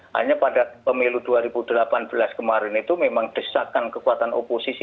hanya pada pemilu dua ribu delapan belas kemarin itu memang desakan kekuatan oposisi